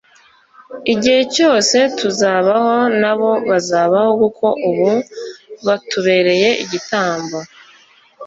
Igihe cyose tuzabaho nabo bazabaho kuko ubu batubereye igitambo